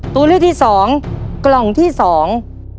ตัวเลือกที่สองกล่องที่สอง